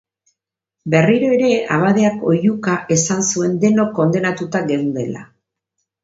Berriro ere abadeak ohiuka esan zuen denok kondenatuta geundela